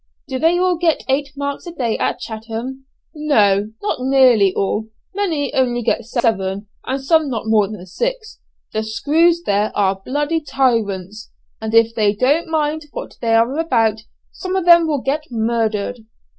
"Do they all get eight marks a day at Chatham?" "No, not nearly all; many only get seven, and some not more than six. The 'screws' there are tyrants, and if they don't mind what they are about some of them will get murdered.